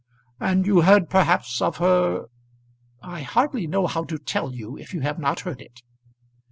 "And you heard perhaps of her . I hardly know how to tell you, if you have not heard it."